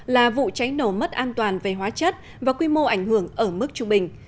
là vụ cháy nổ mất an toàn về hóa chất và quy mô ảnh hưởng ở mức trung bình